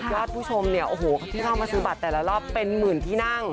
ผู้ชมเนี่ยโอ้โหที่เข้ามาซื้อบัตรแต่ละรอบเป็นหมื่นที่นั่ง